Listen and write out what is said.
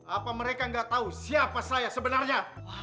apa mereka nggak tahu siapa saya sebenarnya